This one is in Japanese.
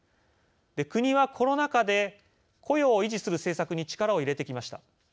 国は、コロナ禍で雇用を維持する政策に力を入れてきました。